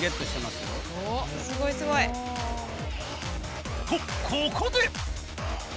すごいすごい。とここで！